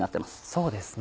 そうですね。